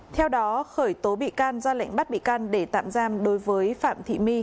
theo đó khởi tố bị can ra lệnh bắt bị can để tạm giam đối với phạm thị my